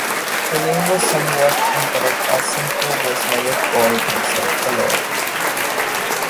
The name was somewhat incorrect as Simcoe was never called himself a Lord.